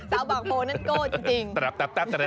เต้าบอกโฟนั่นโก้จริง